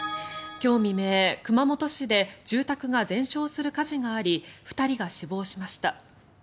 今日未明、熊本市で住宅が全焼する火事があり２人が死亡しました。